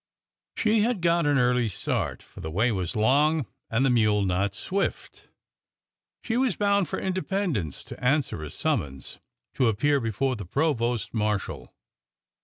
She had got an early start, for the way was long and the mule not swift. She was bound for Independence to answer a summons to appear before the provost marshal.